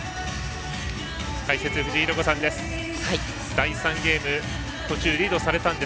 解説、藤井寛子さんです。